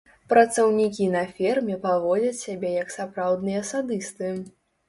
Працаўнікі на ферме паводзяць сябе як сапраўдныя садысты.